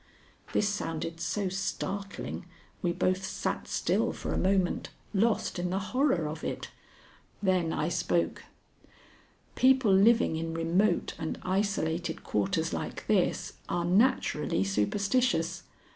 This sounded so startling we both sat still for a moment, lost in the horror of it, then I spoke: "People living in remote and isolated quarters like this are naturally superstitious.